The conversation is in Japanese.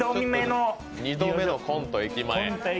２度目のコント「駅前」。